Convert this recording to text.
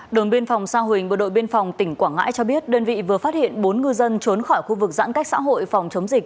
đồn biên phòng sa huỳnh bộ đội biên phòng tỉnh quảng ngãi cho biết đơn vị vừa phát hiện bốn ngư dân trốn khỏi khu vực giãn cách xã hội phòng chống dịch